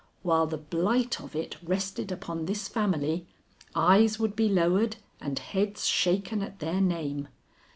While the blight of it rested upon this family, eyes would be lowered and heads shaken at their name.